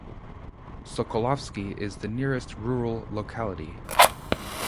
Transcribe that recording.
Sokolovsky is the nearest rural locality.